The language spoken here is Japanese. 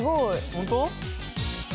本当？